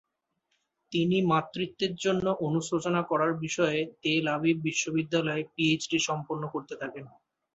তিনি মাতৃত্বের জন্য অনুশোচনা করার বিষয়ে তেল আবিব বিশ্ববিদ্যালয়ে পিএইচডি সম্পন্ন করতে থাকেন।